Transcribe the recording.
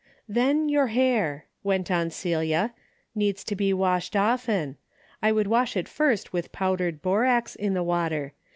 " Then your hair," went on Celia, " needs to be washed often. I would wash it first with powdered borax in the water.